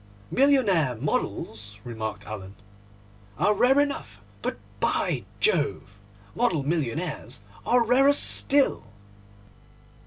'Millionaire models,' remarked Alan, 'are rare enough; but, by Jove, model millionaires are rarer still!